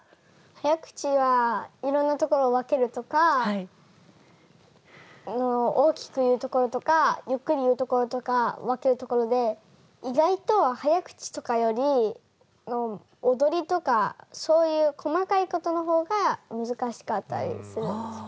早口はいろんなところを分けるとか大きく言うところとかゆっくり言うところとか分けるところで意外と早口とかより踊りとかそういう細かいことのほうが難しかったりするんです。